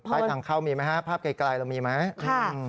ทางเข้ามีไหมฮะภาพไกลเรามีไหม